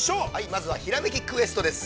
◆まずは「ひらめきクエスト」です。